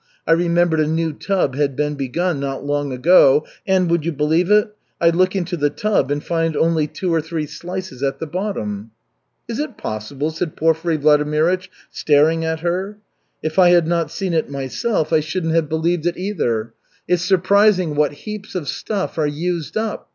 I remembered a new tub had been begun not long ago, and would you believe it? I look into the tub and find only two or three slices at the bottom." "Is it possible?" said Porfiry Vladimirych, staring at her. "If I had not seen it myself, I shouldn't have believed it, either. It's surprising what heaps of stuff are used up!